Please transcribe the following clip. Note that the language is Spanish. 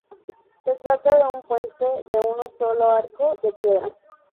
Se trata de un puente de un solo arco de piedra.